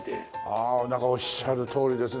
ああおっしゃるとおりですね。